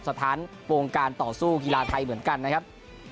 สถานวงการต่อสู้กีฬาไทยเหมือนกันนะครับ